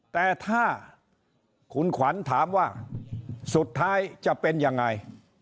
แต่ถ้าคุณขวัญถามว่าสุดท้ายจะเป็นยังไง